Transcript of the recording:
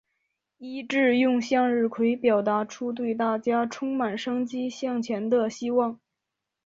伊秩用向日葵表达出对大家充满生机向前的希望。